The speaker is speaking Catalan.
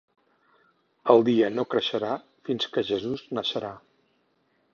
El dia no creixerà fins que Jesús naixerà.